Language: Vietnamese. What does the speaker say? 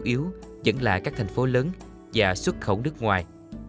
chủ yếu vẫn là các thành phố lớn và xuất khẩu nước ngoài